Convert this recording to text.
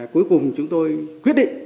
cuối cùng chúng tôi quyết định